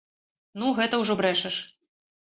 Ну, гэта ўжо брэшаш!